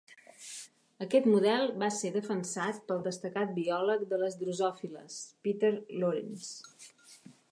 Aquest model va ser defensat pel destacat biòleg de les drosòfiles, Peter Lawrence.